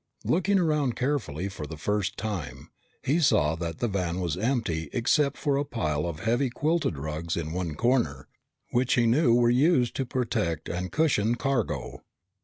Looking around carefully for the first time, he saw that the van was empty except for a pile of heavy quilted rugs in one corner which he knew were used to protect and cushion cargo.